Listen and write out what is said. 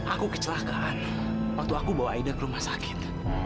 aku kecelakaan waktu aku bawa aida ke rumah sakit